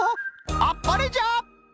あっぱれじゃ！